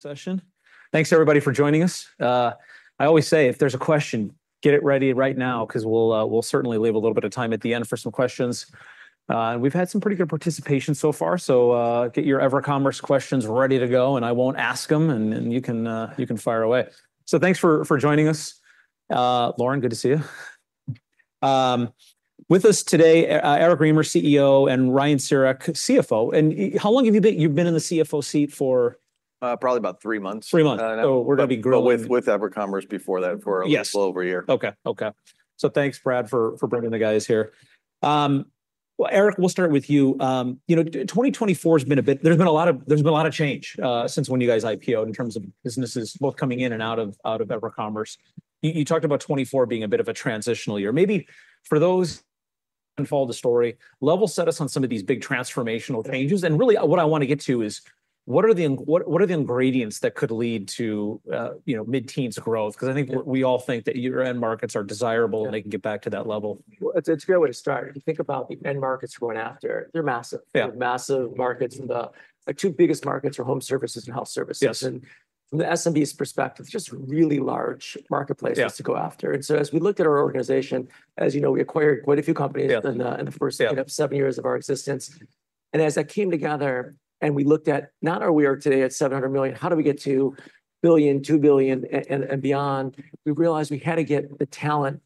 Session. Thanks, everybody, for joining us. I always say, if there's a question, get it ready right now, because we'll certainly leave a little bit of time at the end for some questions. And we've had some pretty good participation so far, so get your EverCommerce questions ready to go, and I won't ask them, and you can fire away. So thanks for joining us. Lauren, good to see you. With us today, Eric Remer, CEO, and Ryan Siurek, CFO. And how long have you been in the CFO seat for? Probably about three months. Three months, so we're going to be growing. But with EverCommerce before that for a little over a year. Okay. Okay, so thanks, Brad, for bringing the guys here. Eric, we'll start with you. 2024 has been a bit. There's been a lot of change since when you guys IPO'd in terms of businesses, both coming in and out of EverCommerce. You talked about 2024 being a bit of a transitional year. Maybe for those who follow the story, level set us on some of these big transformational changes. And really, what I want to get to is, what are the ingredients that could lead to mid-teens growth? Because I think we all think that your end markets are desirable, and they can get back to that level. It's a good way to start. If you think about the end markets we're going after, they're massive. They're massive markets. The two biggest markets are home services and health services. From the SMBs perspective, just really large marketplaces to go after. As we looked at our organization, as you know, we acquired quite a few companies in the first seven years of our existence. As that came together, and we looked at not where we are today at $700 million, how do we get to $1 billion, $2 billion, and beyond? We realized we had to get the talent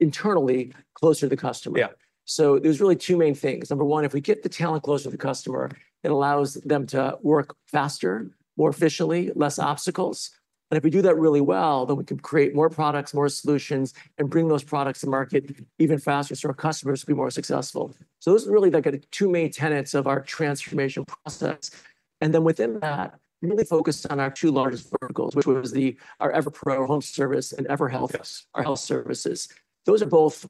internally closer to the customer. There's really two main things. Number one, if we get the talent closer to the customer, it allows them to work faster, more efficiently, less obstacles. And if we do that really well, then we can create more products, more solutions, and bring those products to market even faster so our customers can be more successful. So those are really the two main tenets of our transformation process. And then within that, we really focused on our two largest verticals, which was our EverPro home services and EverHealth, our health services. Those are both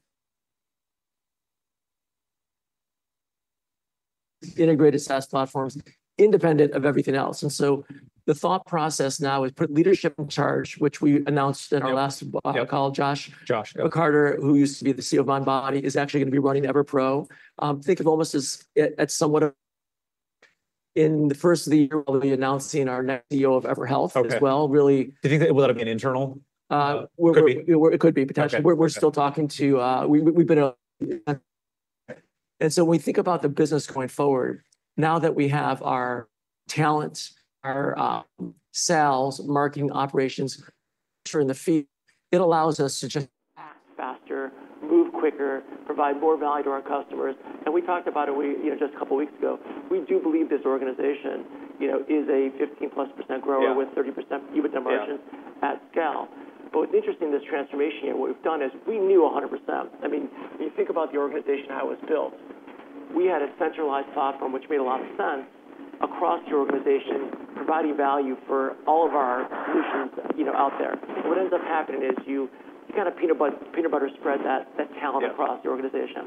integrated SaaS platforms, independent of everything else. And so the thought process now is put leadership in charge, which we announced in our last call. Josh McCarter, who used to be the CEO of Mindbody, is actually going to be running EverPro. Think of it almost as in the first of the year we'll be announcing our next CEO of EverHealth as well. Do you think that will have been internal? It could be. It could be, potentially, and so when we think about the business going forward, now that we have our talent, our sales, marketing operations, and the feet, it allows us to just act faster, move quicker, provide more value to our customers, and we talked about it just a couple of weeks ago. We do believe this organization is a 15-plus % grower with 30% EBITDA margins at scale, but what's interesting in this transformation here, what we've done is we knew 100%. I mean, when you think about the organization, how it was built, we had a centralized platform, which made a lot of sense across the organization, providing value for all of our solutions out there. What ends up happening is you kind of peanut butter spread that talent across the organization.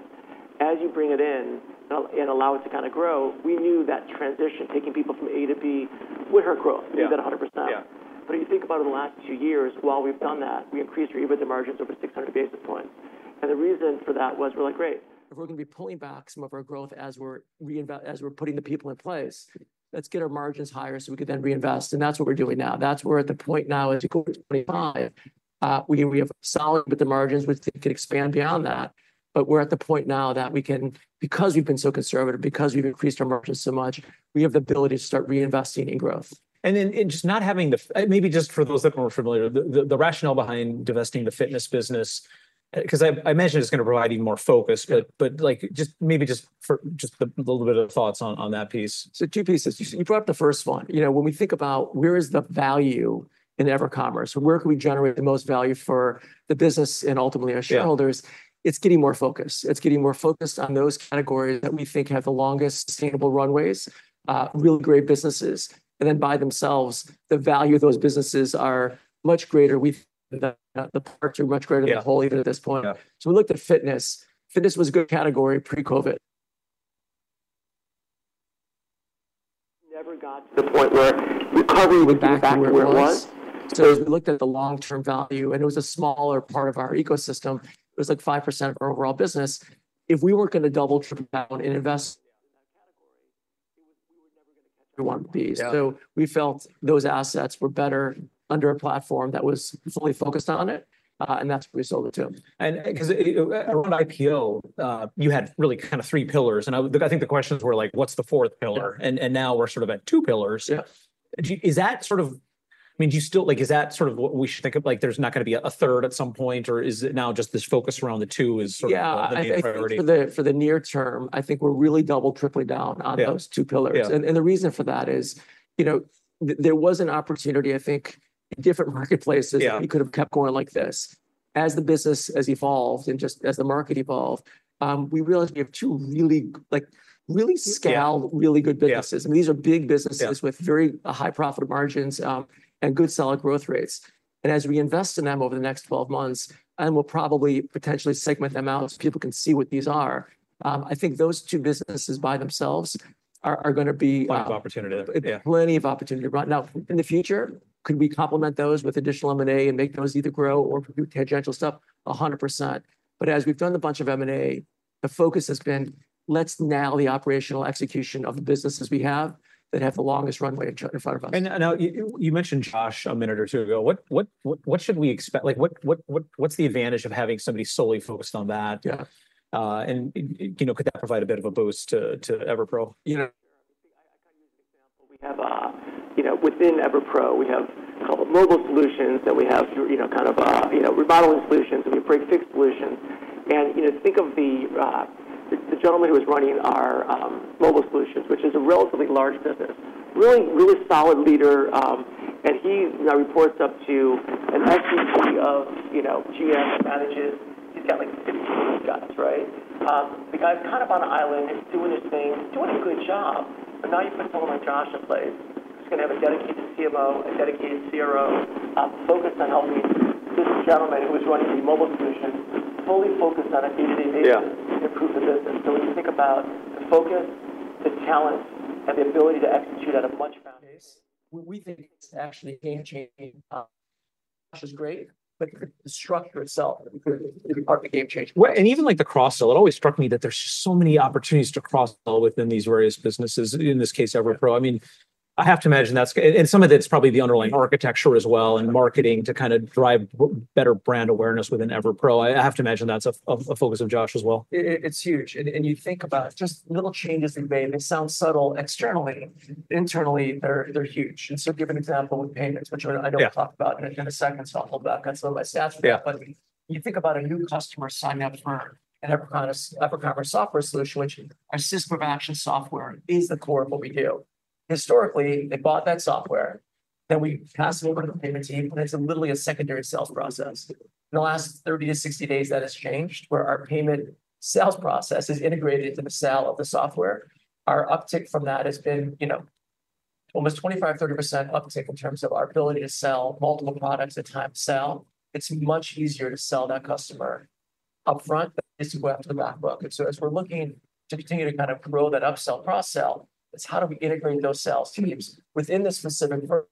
As you bring it in and allow it to kind of grow, we knew that transition, taking people from A to B, would hurt growth. We got 100%, but if you think about it in the last two years, while we've done that, we increased our EBITDA margins over 600 basis points, and the reason for that was we're like, "Great. If we're going to be pulling back some of our growth as we're putting the people in place, let's get our margins higher so we can then reinvest, and that's what we're doing now. That's where at the point now is 2025. We have solid EBITDA margins, which can expand beyond that, but we're at the point now that we can, because we've been so conservative, because we've increased our margins so much, we have the ability to start reinvesting in growth. And then just not having the, maybe just for those that weren't familiar, the rationale behind divesting the fitness business, because I imagine it's going to provide you more focus, but just maybe a little bit of thoughts on that piece. So, two pieces. You brought up the first one. When we think about where is the value in EverCommerce, where can we generate the most value for the business and ultimately our shareholders, it's getting more focused. It's getting more focused on those categories that we think have the longest sustainable runways, really great businesses. And then by themselves, the value of those businesses is much greater. We think that the parts are much greater than the whole even at this point. So we looked at fitness. Fitness was a good category pre-COVID. Never got to the point where recovery would be back where it was. So as we looked at the long-term value, and it was a smaller part of our ecosystem, it was like 5% of our overall business. If we weren't going to double, triple down and invest in that category, we were never going to catch up with everyone else. So we felt those assets were better under a platform that was fully focused on it. And that's what we sold it to. Because around IPO, you had really kind of three pillars. I think the questions were like, "What's the fourth pillar?" Now we're sort of at two pillars. Is that sort of, I mean, do you still, is that sort of what we should think of? There's not going to be a third at some point, or is it now just this focus around the two is sort of the main priority? Yeah. For the near term, I think we're really double tripling down on those two pillars. And the reason for that is there was an opportunity, I think, in different marketplaces that we could have kept going like this. As the business has evolved and just as the market evolved, we realized we have two really scaled, really good businesses. And these are big businesses with very high profit margins and good solid growth rates. And as we invest in them over the next 12 months, and we'll probably potentially segment them out so people can see what these are, I think those two businesses by themselves are going to be. Lots of opportunity. Plenty of opportunity. Now, in the future, could we complement those with additional M&A and make those either grow or do tangential stuff? 100%. But as we've done a bunch of M&A, the focus has been, "Let's nail the operational execution of the businesses we have that have the longest runway in front of us. And now you mentioned Josh a minute or two ago. What should we expect? What's the advantage of having somebody solely focused on that? And could that provide a bit of a boost to EverPro? I kind of use an example. Within EverPro, we have a couple of mobile solutions that we have kind of remodeling solutions. We have break-fix solutions, and think of the gentleman who was running our mobile solutions, which is a relatively large business, really solid leader, and he now reports up to an SVP and GM and manages. He's got like 15 guys, right? The guy's kind of on an island, doing his thing, doing a good job, but now you put someone like Josh in place, who's going to have a dedicated CMO, a dedicated CRO, focused on helping this gentleman who was running the mobile solution fully focused on a day-to-day basis to improve the business, so when you think about the focus, the talent, and the ability to execute at a much faster pace. We think it's actually a game changer. Josh is great, but the structure itself could be part of the game changer. And even like the cross-sell, it always struck me that there's so many opportunities to cross-sell within these various businesses, in this case, EverPro. I mean, I have to imagine that's, and some of it's probably the underlying architecture as well and marketing to kind of drive better brand awareness within EverPro. I have to imagine that's a focus of Josh as well. It's huge. And you think about just little changes they've made. They sound subtle externally. Internally, they're huge. And so to give an example with payments, which I don't talk about in a second, so I'll hold back on some of my stats here. But you think about a new customer signing up for an EverCommerce software solution, which our System of Action software is the core of what we do. Historically, they bought that software. Then we pass it over to the payment team, and it's literally a secondary sales process. In the last 30-60 days, that has changed where our payment sales process is integrated into the sale of the software. Our uptick from that has been almost 25, 30% uptick in terms of our ability to sell multiple products at time of sale. It's much easier to sell that customer upfront than it is to go after the backbook. And so as we're looking to continue to kind of grow that upsell cross-sell, it's how do we integrate those sales teams within the specific vertical,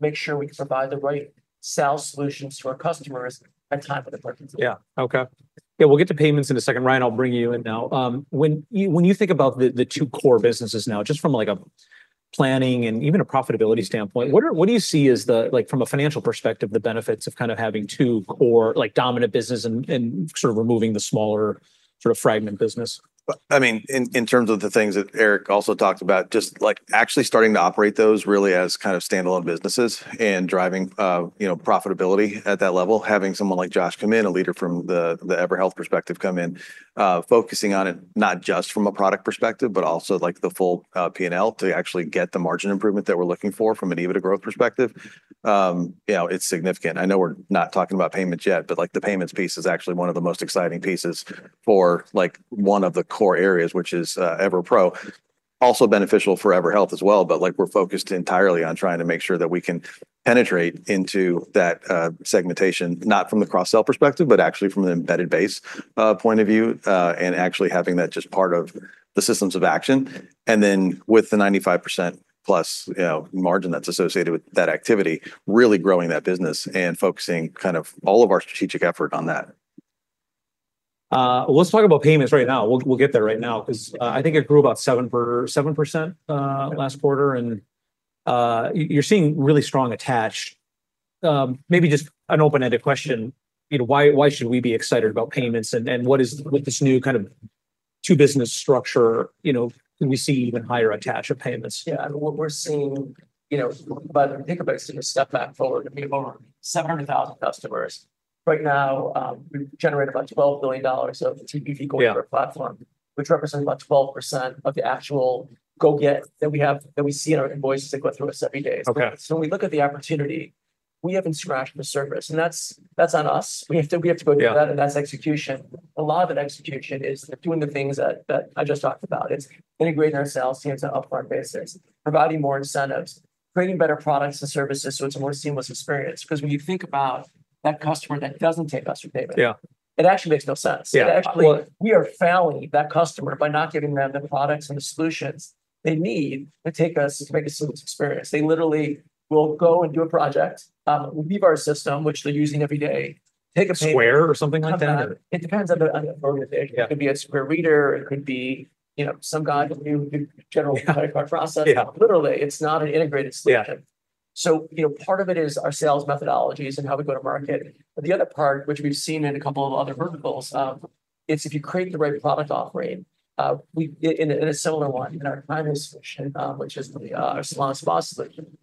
make sure we can provide the right sales solutions to our customers at time of the purchase. Yeah. Okay. Yeah. We'll get to payments in a second. Ryan, I'll bring you in now. When you think about the two core businesses now, just from a planning and even a profitability standpoint, what do you see as the, from a financial perspective, the benefits of kind of having two core dominant businesses and sort of removing the smaller fragmented business? I mean, in terms of the things that Eric also talked about, just actually starting to operate those really as kind of standalone businesses and driving profitability at that level, having someone like Josh come in, a leader from the EverHealth perspective come in, focusing on it not just from a product perspective, but also the full P&L to actually get the margin improvement that we're looking for from an EBITDA growth perspective, it's significant. I know we're not talking about payments yet, but the payments piece is actually one of the most exciting pieces for one of the core areas, which is EverPro. Also beneficial for EverHealth as well, but we're focused entirely on trying to make sure that we can penetrate into that segmentation, not from the cross-sell perspective, but actually from an embedded base point of view, and actually having that just part of the systems of action, and then with the 95% plus margin that's associated with that activity, really growing that business and focusing kind of all of our strategic effort on that. Well, let's talk about payments right now. We'll get there right now because I think it grew about 7% last quarter. And you're seeing really strong attached. Maybe just an open-ended question. Why should we be excited about payments? And what is with this new kind of two-business structure, we see even higher attach of payments? Yeah. What we're seeing, but if you think about it, it's a step back forward. We have over 700,000 customers. Right now, we've generated about $12 billion of TPV going through our platform, which represents about 12% of the actual GPV that we see in our invoices that go through us every day. So when we look at the opportunity, we haven't scratched the surface, and that's on us. We have to go do that, and that's execution. A lot of that execution is doing the things that I just talked about. It's integrating our sales teams on an upfront basis, providing more incentives, creating better products and services so it's a more seamless experience. Because when you think about that customer that doesn't take us for payment, it actually makes no sense. We are failing that customer by not giving them the products and the solutions they need to take us to make a seamless experience. They literally will go and do a project, leave our system, which they're using every day, take a payment. Square or something like that? It depends on the organization. It could be a Square reader. It could be some guy who generally undercuts our process. Literally, it's not an integrated solution. So part of it is our sales methodologies and how we go to market. But the other part, which we've seen in a couple of other verticals, is if you create the right product offering. In a similar one, in our primary solution, which is the Salon Spa solution,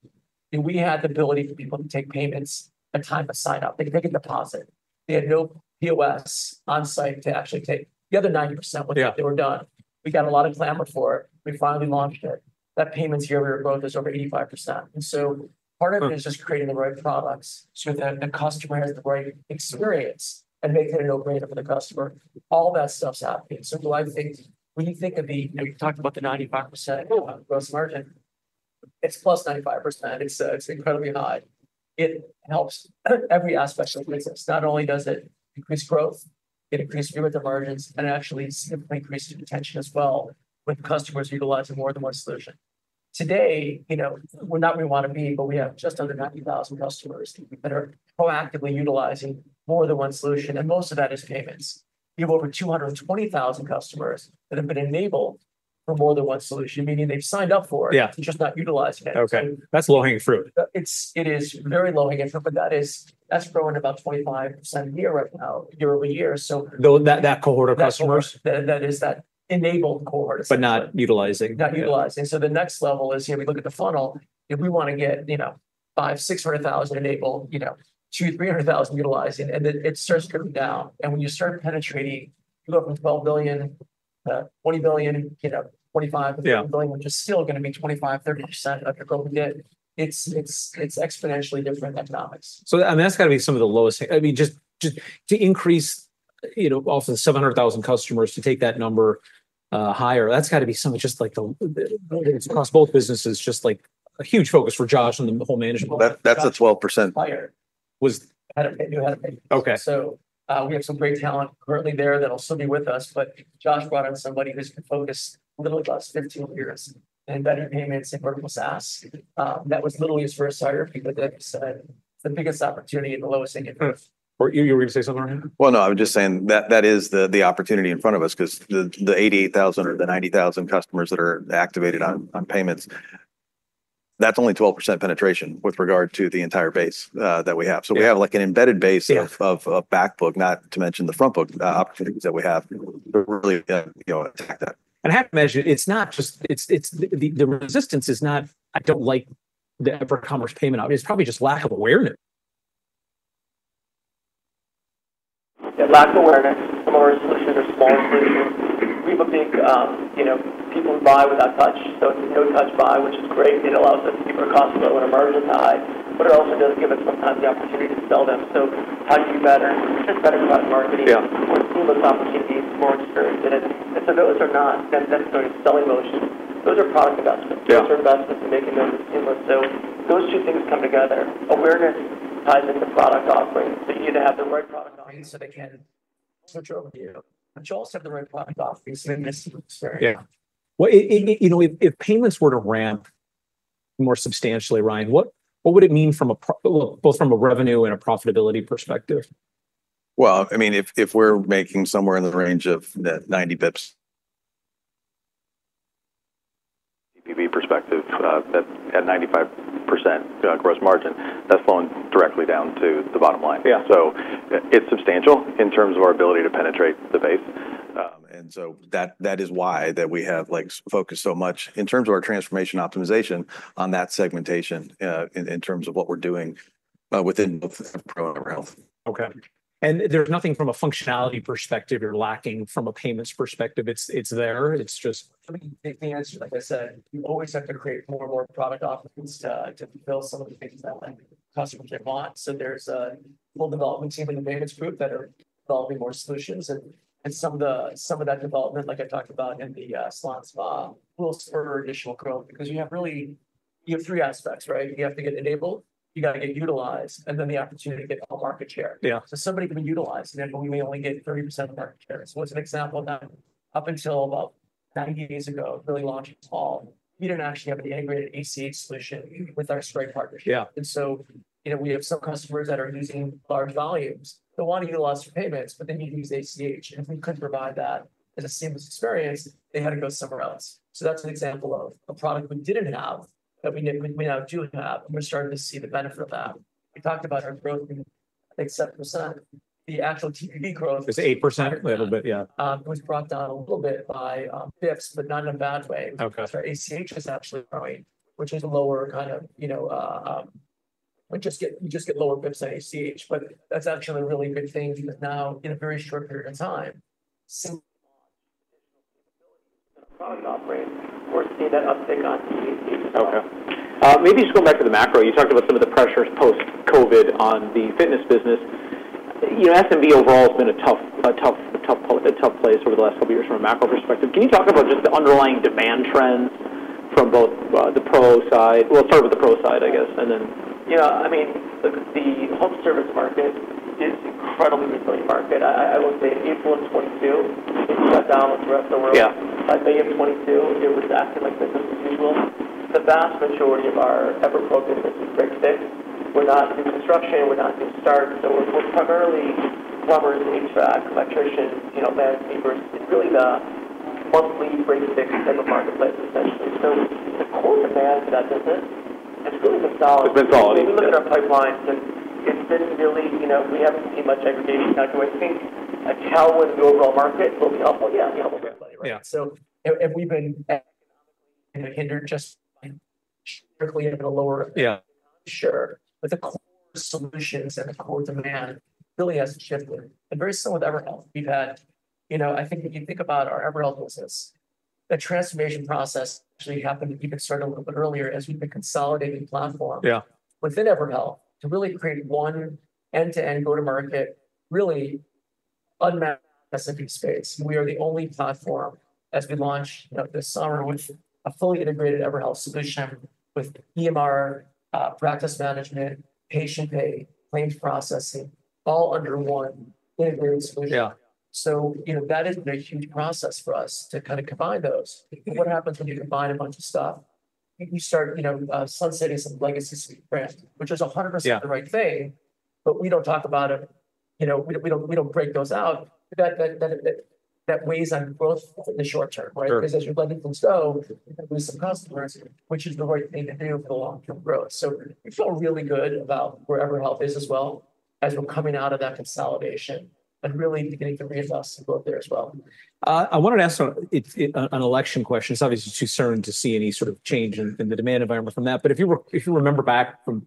we had the ability for people to take payments at time of sign-up. They can make a deposit. They had no POS on site to actually take the other 90% once they were done. We got a lot of traction for it. We finally launched it. That payments year-over-year growth is over 85%. And so part of it is just creating the right products so that the customer has the right experience and makes it a no-brainer for the customer. All that stuff's happening. So I think when you think of the. We talked about the 95% gross margin. It's plus 95%. It's incredibly high. It helps every aspect of the business. Not only does it increase growth, it increases EBITDA margins, and it actually significantly increases retention as well with customers utilizing more than one solution. Today, we're not where we want to be, but we have just under 90,000 customers that are proactively utilizing more than one solution. And most of that is payments. We have over 220,000 customers that have been enabled for more than one solution, meaning they've signed up for it. They're just not utilizing it. Okay. That's low-hanging fruit. It is very low-hanging fruit, but that's growing about 25% a year right now, year over year. So. Though that cohort of customers. That is that enabled cohort of customers. But not utilizing. Not utilizing. So the next level is, if we look at the funnel, if we want to get 500,000 enabled, 2,300,000 utilizing, and then it starts dripping down. And when you start penetrating, you go from $12 billion, $20 billion, $25-$30 billion, which is still going to be 25%-30% of your growth and debt. It's exponentially different economics. So, I mean, that's got to be some of the lowest. I mean, just to increase off of the 700,000 customers to take that number higher, that's got to be something just like across both businesses, just like a huge focus for Josh on the whole management. That's a 12%. Higher. Had a payment. So we have some great talent currently there that'll still be with us. But Josh brought in somebody who's focused a little bit less than two years and better payments in vertical SaaS. That was literally his first hire because they said the biggest opportunity and the lowest income. You were going to say something, Ryan? Well, no, I was just saying that is the opportunity in front of us because the 88,000 or the 90,000 customers that are activated on payments, that's only 12% penetration with regard to the entire base that we have. So we have an embedded base of backbook, not to mention the frontbook opportunities that we have to really attack that. I have to mention, it's not just the resistance, "I don't like the EverCommerce payment option." It's probably just lack of awareness. Yeah, lack of awareness. Smaller solutions are smaller solutions. We have a big people who buy without touch. So it's a no-touch buy, which is great. It allows us to keep our customer when a merchant dies, but it also doesn't give us sometimes the opportunity to sell them. So how do you better just better product marketing, more seamless opportunities, more experience in it, and so those are not necessarily selling motions. Those are product investments. Those are investments in making them seamless, so those two things come together. Awareness ties into product offering. So you need to have the right product offering so they can switch over to you, but you also have the right product offerings in this experience. Yeah. Well, if payments were to ramp more substantially, Ryan, what would it mean from both a revenue and a profitability perspective? Well, I mean, if we're making somewhere in the range of 90 basis points TPV perspective, that 95% gross margin, that's falling directly down to the bottom line. So it's substantial in terms of our ability to penetrate the base. And so that is why we have focused so much in terms of our transformation optimization on that segmentation in terms of what we're doing within both EverHealth. Okay. And there's nothing from a functionality perspective you're lacking from a payments perspective. It's there. It's just. Let me answer. Like I said, you always have to create more and more product offerings to fulfill some of the things that customers want, so there's a full development team in the management group that are developing more solutions, and some of that development, like I talked about in the salon spa, will spur additional growth because you have really three aspects, right? You have to get enabled. You got to get utilized, and then the opportunity to get all market share, so somebody can be utilized, and then we may only get 30% market share, so as an example, up until about 90 days ago, really launching it all, we didn't actually have an integrated ACH solution with our Stripe partnership, and so we have some customers that are using large volumes. They want to utilize their payments, but they need to use ACH. If we couldn't provide that as a seamless experience, they had to go somewhere else. That's an example of a product we didn't have that we now do have. We're starting to see the benefit of that. We talked about our growth in 80%. The actual TPP growth. It's 8% a little bit, yeah. It was brought down a little bit by basis points, but not in a bad way. So our ACH is actually growing, which is a lower kind of you just get lower basis points on ACH. But that's actually a really good thing because now, in a very short period of time, single launch additional capabilities in a product offering. We're seeing that uptick on ACH. Okay. Maybe just going back to the macro, you talked about some of the pressures post-COVID on the fitness business. SMB overall has been a tough place over the last couple of years from a macro perspective. Can you talk about just the underlying demand trends from both the pro side, well, start with the pro side, I guess, and then. Yeah. I mean, the home service market is an incredibly resilient market. I will say April of 2022, it shut down with the rest of the world. By May of 2022, it was acting like business as usual. The vast majority of our EverPro business is break fix. We're not doing construction. We're not doing starts. So we're primarily plumbers, HVAC, electricians, landscapers. It's really the monthly break fix type of marketplace, essentially. So the core demand for that business has really been solid. It's been solid. If we look at our pipeline, it's been really, we haven't seen much aggregation out there. I think a cooldown in the overall market will be helpful. Yeah, we have a little bit of money, right? Yeah. So have we been economically hindered just strictly at a lower? Yeah. Sure, but the core solutions and the core demand really has shifted, and very similar with EverHealth. I think if you think about our EverHealth business, the transformation process actually happened to even start a little bit earlier as we've been consolidating platform within EverHealth to really create one end-to-end go-to-market, really unmatched SMB space. We are the only platform, as we launched this summer, with a fully integrated EverHealth solution with EMR, practice management, patient pay, claims processing, all under one integrated solution, so that has been a huge process for us to kind of combine those. What happens when you combine a bunch of stuff? You start sunsetting some legacy suite brand, which is 100% the right thing, but we don't talk about it. We don't break those out. That weighs on growth in the short term, right? Because as you let things go, you're going to lose some customers, which is the right thing to do for the long-term growth. So we feel really good about where EverHealth is as well as we're coming out of that consolidation and really beginning to reinvest and grow there as well. I wanted to ask an election question. It's obviously too soon to see any sort of change in the demand environment from that. But if you remember back from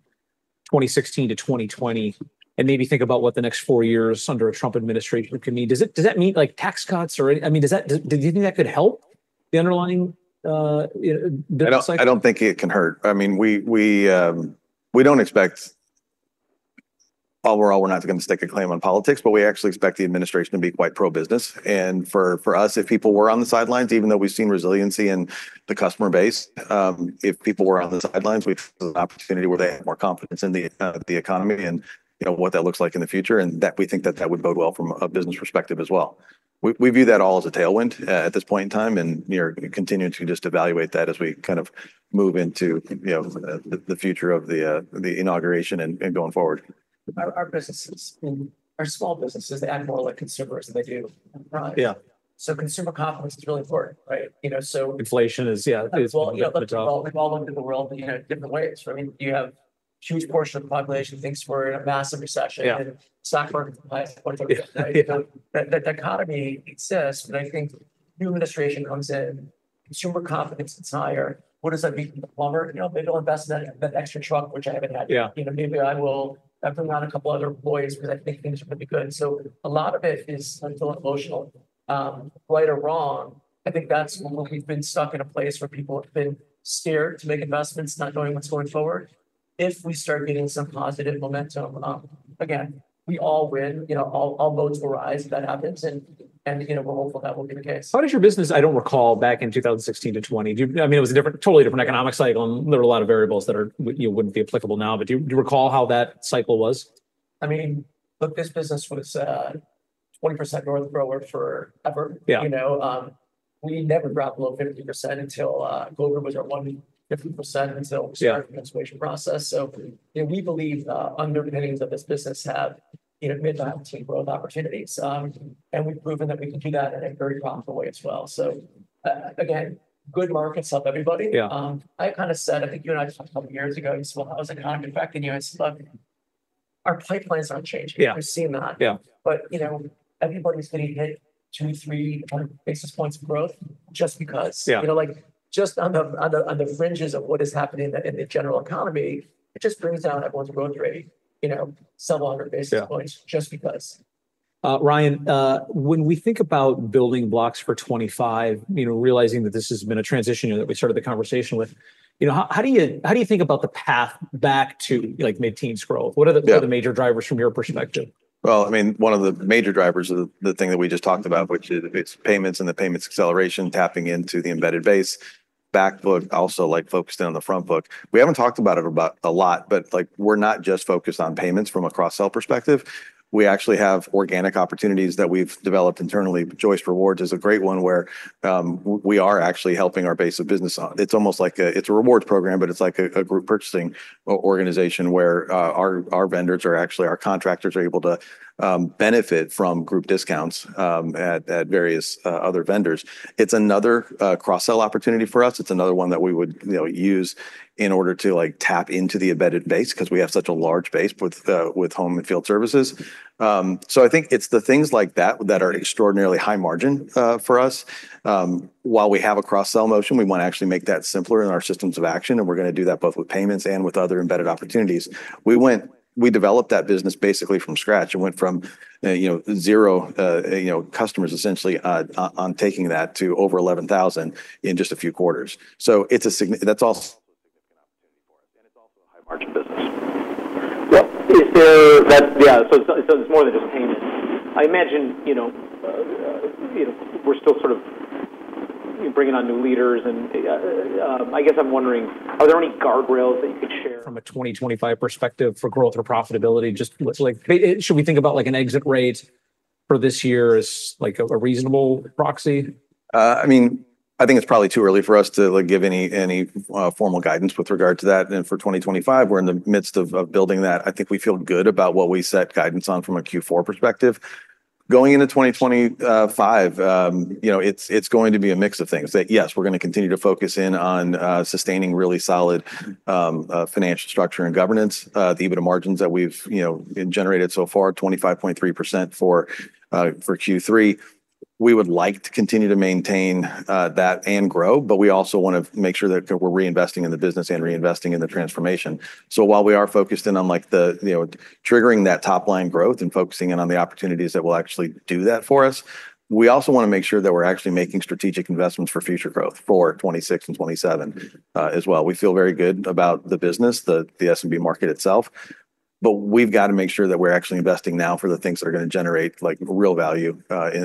2016-2020 and maybe think about what the next four years under a Trump administration could mean, does that mean tax cuts? I mean, do you think that could help the underlying? I don't think it can hurt. I mean, we don't expect overall, we're not going to stick a claim on politics, but we actually expect the administration to be quite pro-business. And for us, if people were on the sidelines, even though we've seen resiliency in the customer base, we saw an opportunity where they had more confidence in the economy and what that looks like in the future. And we think that that would bode well from a business perspective as well. We view that all as a tailwind at this point in time. And we are continuing to just evaluate that as we kind of move into the future of the inauguration and going forward. Our businesses, our small businesses, they act more like consumers than they do. So consumer confidence is really important, right? So. Inflation is, yeah. Well, look at the world. Look at all over the world in different ways. I mean, you have a huge portion of the population thinks we're in a massive recession. The stock market is at 20%. The economy exists, but I think new administration comes in, consumer confidence is higher. What does that mean for the plumber? Maybe they'll invest in that extra truck, which I haven't had yet. Maybe I will bring on a couple of other employees because I think things are going to be good. So a lot of it is still emotional. Right or wrong, I think that's where we've been stuck in a place where people have been scared to make investments, not knowing what's going forward. If we start getting some positive momentum, again, we all win. All boats will rise if that happens. And we're hopeful that will be the case. How does your business, I don't recall, back in 2016-2020? I mean, it was a totally different economic cycle and there were a lot of variables that wouldn't be applicable now. But do you recall how that cycle was? I mean, look, this business was 20% north grower forever. We never dropped below 50% until COVID was our 150% until we started the transformation process. So we believe underpinnings of this business have mid-19% growth opportunities. And we've proven that we can do that in a very profitable way as well. So again, good markets help everybody. I kind of said, I think you and I talked a couple of years ago, I said, "Well, how's the economy?" In fact, I said, "Look, our pipelines aren't changing. We've seen that. But everybody's getting hit two, three basis points of growth just because." Just on the fringes of what is happening in the general economy, it just brings down everyone's growth rate, several hundred basis points just because. Ryan, when we think about building blocks for 2025, realizing that this has been a transition year that we started the conversation with, how do you think about the path back to mid-teens growth? What are the major drivers from your perspective? Well, I mean, one of the major drivers of the thing that we just talked about, which is payments and the payments acceleration tapping into the embedded base, backbook, also focused in on the frontbook. We haven't talked about it a lot, but we're not just focused on payments from a cross-sell perspective. We actually have organic opportunities that we've developed internally. Joist Rewards is a great one where we are actually helping our base of business. It's almost like a rewards program, but it's like a group purchasing organization where our vendors are actually our contractors are able to benefit from group discounts at various other vendors. It's another cross-sell opportunity for us. It's another one that we would use in order to tap into the embedded base because we have such a large base with home and field services. So I think it's the things like that that are extraordinarily high margin for us. While we have a cross-sell motion, we want to actually make that simpler in our systems of action. And we're going to do that both with payments and with other embedded opportunities. We developed that business basically from scratch. It went from zero customers essentially on taking that to over 11,000 in just a few quarters. So that's also a significant opportunity for us. And it's also a high-margin business. Well, yeah. So it's more than just payments. I imagine we're still sort of bringing on new leaders. And I guess I'm wondering, are there any guardrails that you could share? From a 2025 perspective for growth or profitability, just should we think about an exit rate for this year as a reasonable proxy? I mean, I think it's probably too early for us to give any formal guidance with regard to that. And for 2025, we're in the midst of building that. I think we feel good about what we set guidance on from a Q4 perspective. Going into 2025, it's going to be a mix of things. Yes, we're going to continue to focus in on sustaining really solid financial structure and governance. The EBITDA margins that we've generated so far, 25.3% for Q3. We would like to continue to maintain that and grow, but we also want to make sure that we're reinvesting in the business and reinvesting in the transformation. So while we are focused in on triggering that top-line growth and focusing in on the opportunities that will actually do that for us, we also want to make sure that we're actually making strategic investments for future growth for 2026 and 2027 as well. We feel very good about the business, the SMB market itself. But we've got to make sure that we're actually investing now for the things that are going to generate real value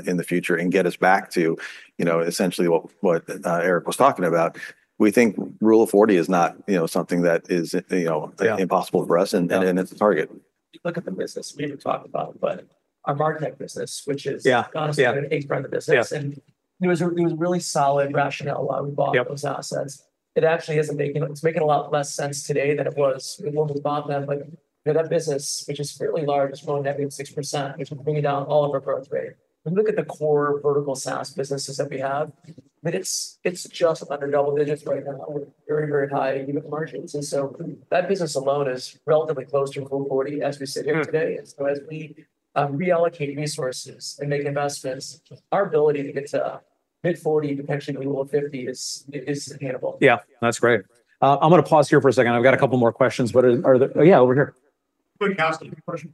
in the future and get us back to essentially what Eric was talking about. We think Rule of 40 is not something that is impossible for us, and it's a target. If you look at the business, we didn't talk about it, but our marketing business, which is honestly an anchor in the business, and it was a really solid rationale why we bought those assets. It actually is making a lot less sense today than it was when we bought them. But that business, which is fairly large, is growing at negative 6%, which will bring down all of our growth rate. When you look at the core vertical SaaS businesses that we have, it's just under double digits right now with very, very high EBITDA margins. And so that business alone is relatively close to Rule of 40 as we sit here today. And so as we reallocate resources and make investments, our ability to get to mid-40, potentially Rule of 50, is attainable. Yeah. That's great. I'm going to pause here for a second. I've got a couple more questions, but yeah, over here. Quick housekeeping question.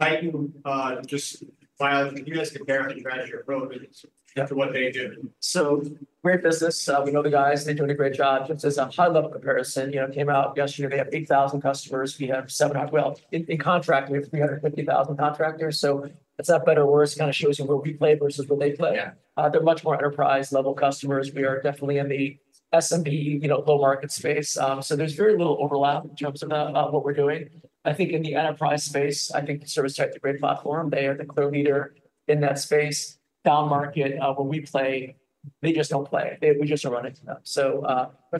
I can just say if you guys compare after you've added your Pro business to what they do. So great business. We know the guys. They're doing a great job. Just as a high-level comparison, came out yesterday. We have 8,000 customers. We have 700, well, in contract, we have 350,000 contractors. So it's not better or worse. It kind of shows you where we play versus where they play. They're much more enterprise-level customers. We are definitely in the SMB low-market space. So there's very little overlap in terms of what we're doing. I think in the enterprise space, I think ServiceTitan is a great platform. They are the clear leader in that space. Down market, where we play, they just don't play. We just don't run into them. So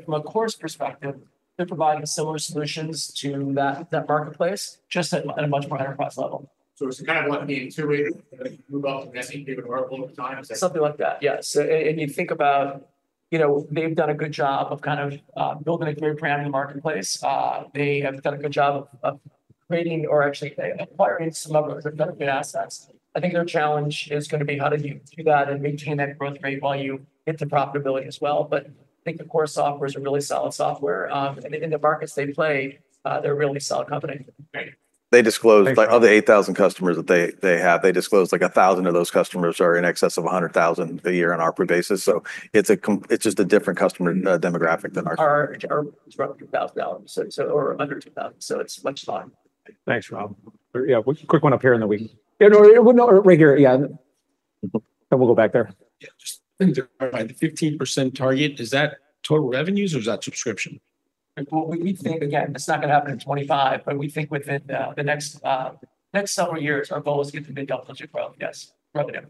from a cursory perspective, they're providing similar solutions to that marketplace just at a much more enterprise level. So it's kind of like being two ways to move up from SMB to EverPro times. Something like that, yes, and you think about they've done a good job of kind of building a great brand in the marketplace. They have done a good job of creating or actually acquiring some of those entertainment assets. I think their challenge is going to be how do you do that and maintain that growth rate while you hit the profitability as well, but I think the core software is a really solid software, and in the markets they play, they're a really solid company. They disclosed of the 8,000 customers that they have, they disclosed like 1,000 of those customers are in excess of $100,000 a year on our basis, so it's just a different customer demographic than ours. Ours is running $2,000 or under $2,000, so it's much finer. Thanks, Rob. Yeah. Quick one up here in the back. Yeah. No, right here. Yeah. And we'll go back there. Yeah. Just to clarify, the 15% target, is that total revenues or is that subscription? We think, again, it's not going to happen in 2025, but we think within the next several years, our goal is to get to mid-double digit growth, yes, revenue.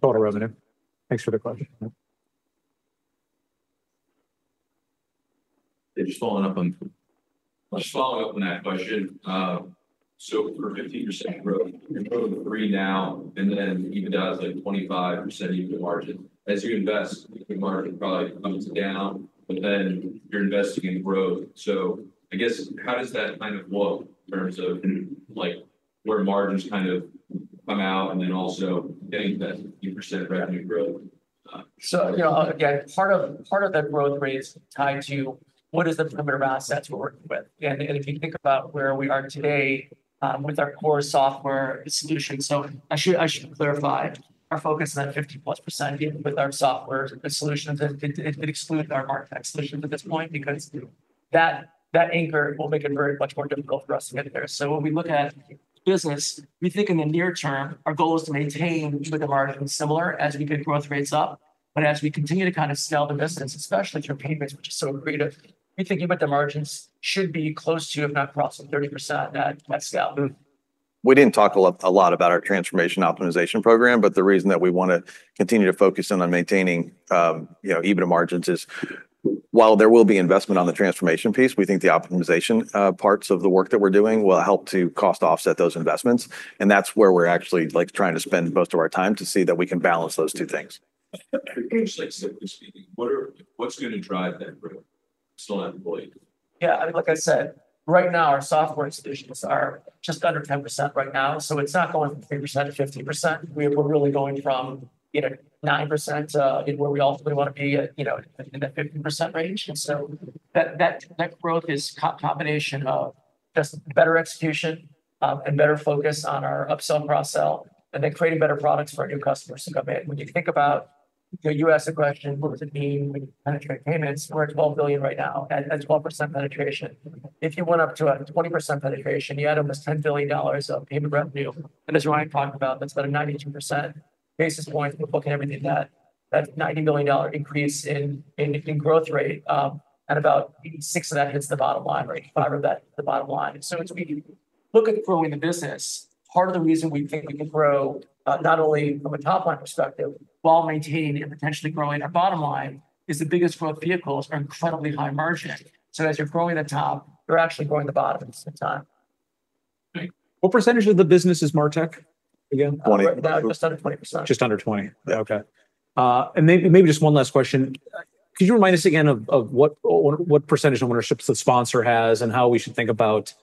Total revenue. Thanks for the question. They're just following up on. Just following up on that question. So for 15% growth, you're growing 3% now, and then EBITDA is like 25% EBITDA margin. As you invest, the margin probably comes down, but then you're investing in growth. So I guess how does that kind of look in terms of where margins kind of come out and then also getting that 15% revenue growth? So again, part of that growth rate is tied to what the perimeter of assets we're working with. And if you think about where we are today with our core software solutions, so I should clarify. Our focus is that 50-plus% with our software solutions. It excludes our marketing solutions at this point because that anchor will make it very much more difficult for us to get there. So when we look at business, we think in the near term, our goal is to maintain with the margins similar as we get growth rates up. But as we continue to kind of scale the business, especially through payments, which is so scalable, we think EBITDA margins should be close to, if not crossing 30% at that scale. We didn't talk a lot about our transformation optimization program, but the reason that we want to continue to focus in on maintaining EBITDA margins is, while there will be investment on the transformation piece, we think the optimization parts of the work that we're doing will help to cost offset those investments, and that's where we're actually trying to spend most of our time to see that we can balance those two things. Essentially, simply speaking, what's going to drive that growth? Still not deployed. Yeah. I mean, like I said, right now, our software solutions are just under 10% right now. So it's not going from 3%-15%. We're really going from 9% in where we ultimately want to be in that 15% range. And so that growth is a combination of just better execution and better focus on our upsell and cross-sell and then creating better products for our new customers to come in. When you think about you ask the question, what does it mean when you penetrate payments? We're at $12 billion right now at 12% penetration. If you went up to a 20% penetration, you had almost $10 billion of payment revenue. And as Ryan talked about, that's about 92 basis points. We're booking everything, that's a $90 million increase in growth rate. And about 6% of that hits the bottom line, right? 5% of that hits the bottom line. So as we look at growing the business, part of the reason we think we can grow not only from a top-line perspective while maintaining and potentially growing our bottom line is the biggest growth vehicles are incredibly high margin. So as you're growing the top, you're actually growing the bottom at the time. What percentage of the business is MarTech again? 20. Just under 20%. Just under 20. Okay. And maybe just one last question. Could you remind us again of what percentage of ownership the sponsor has and how we should think about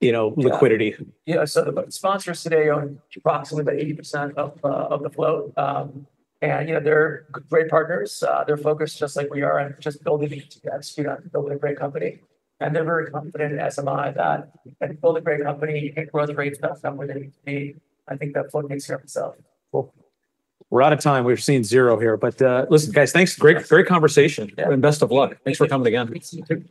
liquidity? Yeah, so the sponsors today own approximately about 80% of the float, and they're great partners. They're focused just like we are on just building to execute on building a great company, and they're very confident in us that if you build a great company, you can grow the rates to that number that you need. I think that float takes care of itself. We're out of time. We've seen zero here. But listen, guys, thanks. Great conversation. And best of luck. Thanks for coming again.